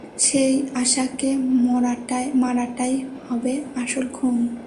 সেই আশাকে মারাটাই হবে আসল খুন।